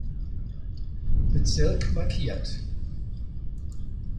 Bezirk markiert.